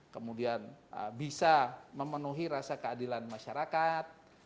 kemudian bisa memenuhi rasa keadilan masyarakat